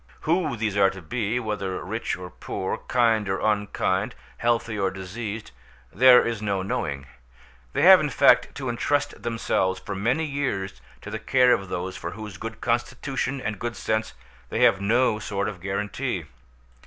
Who these are to be, whether rich or poor, kind or unkind, healthy or diseased, there is no knowing; they have, in fact, to entrust themselves for many years to the care of those for whose good constitution and good sense they have no sort of guarantee.